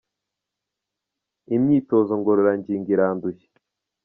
imyitozo ngororangingo irandushya.